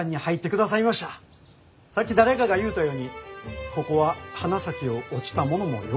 さっき誰かが言うたようにここは花咲を落ちた者もよ